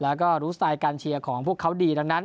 แล้วก็รู้สไตล์การเชียร์ของพวกเขาดีดังนั้น